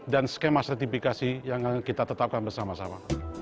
dan skema sertifikasi yang kita tetapkan bersama sama